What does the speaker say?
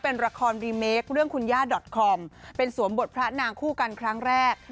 เป็นละครรีเมคเรื่องคุณย่าดอทคอมเป็นสวมบทพระนางคู่กันครั้งแรก